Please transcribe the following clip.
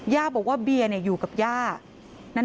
ย่าบอกว่าเบียร์อยู่กับย่า